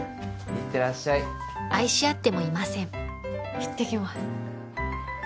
いってきます。